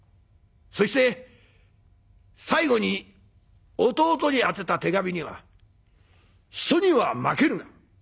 そして最後に弟に宛てた手紙には「人には負けるな。